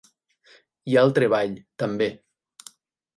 Hi ha el treball, també.